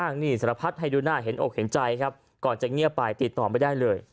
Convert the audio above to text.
นี่สารพัดให้ดูหน้าเห็นอกเห็นใจครับก่อนจะเงียบไปติดต่อไม่ได้เลย